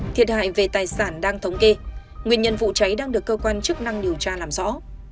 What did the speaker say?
thiệt hại về tài sản đang thống kê nguyên nhân vụ cháy đang được cơ quan chức năng điều tra làm rõ